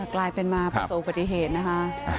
กลายเป็นมาประสบอุบัติเหตุนะคะ